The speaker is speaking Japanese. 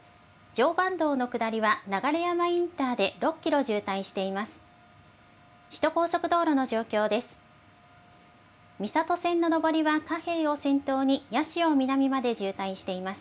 常磐道の下りは流山インターで６キロ渋滞しています。